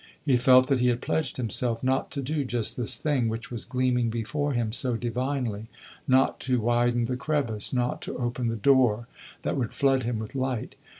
He felt that he had pledged himself not to do just this thing which was gleaming before him so divinely not to widen the crevice, not to open the door that would flood him with light.